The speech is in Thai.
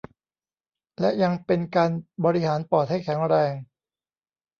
และยังเป็นการบริหารปอดให้แข็งแรง